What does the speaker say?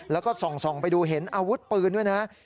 แล้วก็ส่องไปดูเห็นอาวุธปืนด้วยนะ